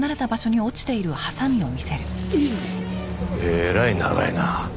えらい長いな。